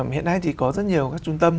hiện nay thì có rất nhiều các trung tâm